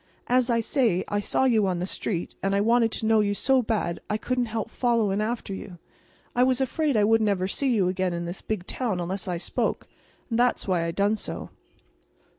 As I say, I saw you on the street, and I wanted to know you so bad I couldn't help followin' after you. I was afraid I wouldn't ever see you again in this big town unless I spoke; and that's why I done so."